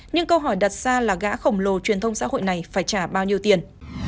nhưng câu hỏi đặt ra là gã khổng lồ truyền thông xã hội này phải trả bao nhiêu tiền